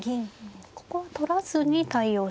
ここは取らずに対応しました。